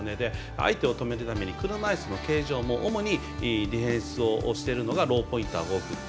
相手を止めるために車いすの形状も主にディフェンスをしているのがローポインターが多くいて。